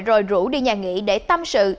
rồi rủ đi nhà nghỉ để tâm sự